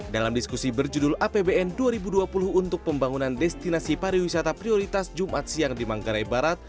dalam diskusi berjudul apbn dua ribu dua puluh untuk pembangunan destinasi pariwisata prioritas jumat siang di manggarai barat